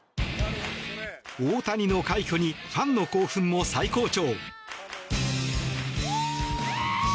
大谷の快挙にファンの興奮も最高潮。